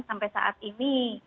sampai saat ini